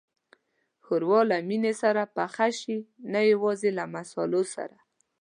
ښوروا له مینې سره پخه شي، نه یوازې له مصالحو.